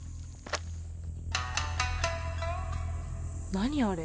何あれ。